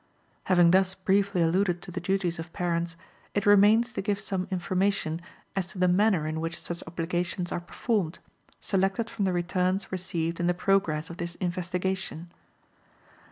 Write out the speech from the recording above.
Having thus briefly alluded to the duties of parents, it remains to give some information as to the manner in which such obligations are performed, selected from the returns received in the progress of this investigation.